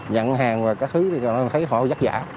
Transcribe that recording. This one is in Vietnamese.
nhận hàng và các thứ thì thấy họ rất giả